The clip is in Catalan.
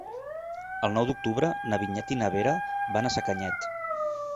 El nou d'octubre na Vinyet i na Vera van a Sacanyet.